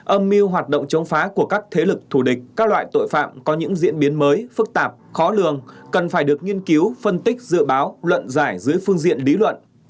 âm mưu hoạt động chống phá của các thế lực thù địch các loại tội phạm có những diễn biến mới phức tạp khó lường cần phải được nghiên cứu phân tích dự báo luận giải dưới phương diện lý luận